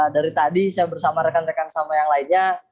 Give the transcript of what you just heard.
dari tadi saya bersama rekan rekan sama yang lainnya